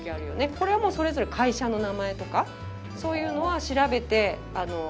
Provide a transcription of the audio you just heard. これはもうそれぞれ会社の名前とかそういうのは調べて確認しないといけませんね。